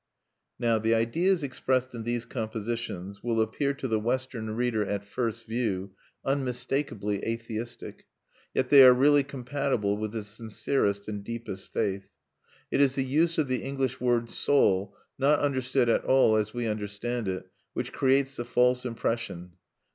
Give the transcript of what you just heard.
Now the ideas expressed in these compositions will appear to the Western reader, at first view, unmistakably atheistic. Yet they are really compatible with the sincerest and deepest faith. It is the use of the English word "soul," not understood at all as we understand it, which creates the false impression.